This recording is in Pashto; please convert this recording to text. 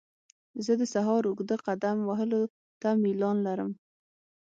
زه د سهار اوږده قدم وهلو ته میلان لرم.